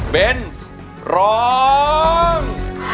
เบนส์ร้อง